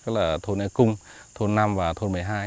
đó là thôn cung thôn năm và thôn một mươi hai